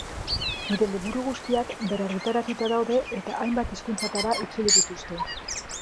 Nire liburu guztiak berrargitaratuta daude eta hainbat hizkuntzatara itzuli dituzte.